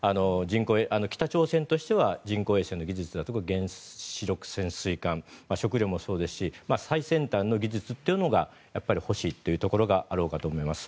北朝鮮としては人工衛星の技術だとか特に原子力潜水艦食料もそうですし最先端の技術が欲しいというところがあろうかと思います。